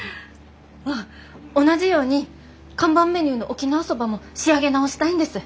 あっ同じように看板メニューの沖縄そばも仕上げ直したいんです。